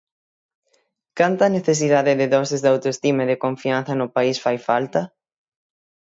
¿Canta necesidade de doses de autoestima e de confianza no país fai falta?